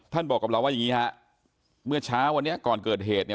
บอกกับเราว่าอย่างงี้ฮะเมื่อเช้าวันนี้ก่อนเกิดเหตุเนี่ย